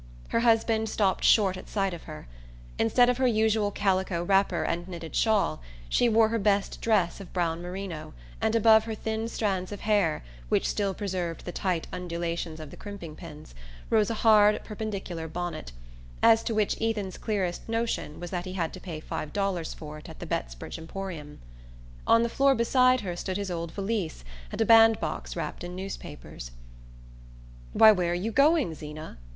Her husband stopped short at sight of her. Instead of her usual calico wrapper and knitted shawl she wore her best dress of brown merino, and above her thin strands of hair, which still preserved the tight undulations of the crimping pins, rose a hard perpendicular bonnet, as to which Ethan's clearest notion was that he had to pay five dollars for it at the Bettsbridge Emporium. On the floor beside her stood his old valise and a bandbox wrapped in newspapers. "Why, where are you going, Zeena?"